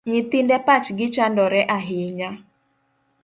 Nyithinde pachgi chandore ahinya